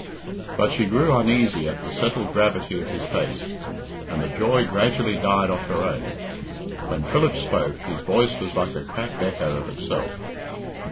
But she grew uneasy at the settled gravity of his face, and the joy gradually died off her own. When Philip spoke, his voice was like a cracked echo of itself.